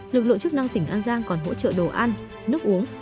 lực lượng chức năng tỉnh an giang còn hỗ trợ đồ ăn nước uống